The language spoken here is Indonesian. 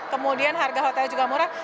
kemudian harga hotel juga murah